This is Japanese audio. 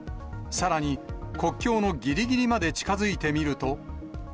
さらに国境のぎりぎりまで近づいてみると。